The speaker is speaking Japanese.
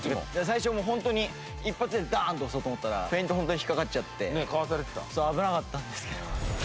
最初もうホントに一発でダーンと押そうと思ったらフェイントホントに引っかかっちゃって危なかったんですけど。